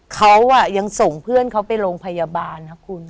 เขายังส่งเพื่อนเขาไปโรงพยาบาลนะคุณ